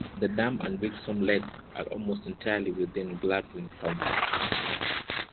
The dam and Wixom Lake are almost entirely within Gladwin County.